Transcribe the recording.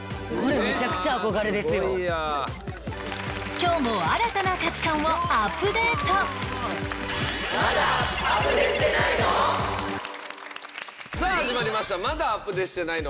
今日も新たな価値観をアップデートさあ始まりました『まだアプデしてないの？』。